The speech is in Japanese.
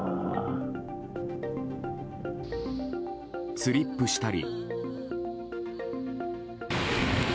スリップしたり。